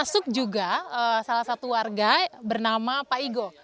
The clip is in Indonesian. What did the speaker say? salah satu warga bernama pak igo